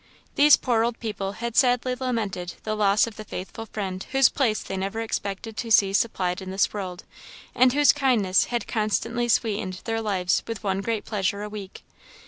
These poor old people had sadly lamented the loss of the faithful friend whose place they never expected to see supplied in this world, and whose kindness had constantly sweetened their lives with one great pleasure a week.